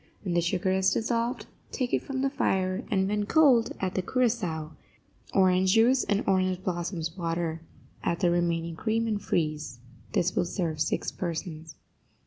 When the sugar is dissolved, take it from the fire, and, when cold, add the curaçao, orange juice and orange blossoms water; add the remaining cream, and freeze. This will serve six persons.